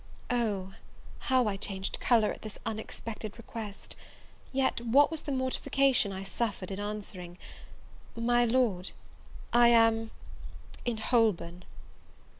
O how I changed colour at this unexpected request! yet, what was the mortification I suffered in answering, "My Lord, I am in Holborn!"